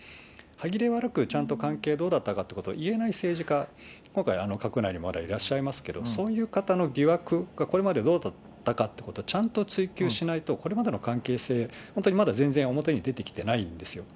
歯切れ悪く、ちゃんと関係がどうだったかっていうことを言えない政治家、今回、閣内にまだいらっしゃいますけれども、そういう方の疑惑がこれまでどうだったかってことを、ちゃんと追及しないと、これまでの関係性、本当にまだ全然表に出てきてないんですよ。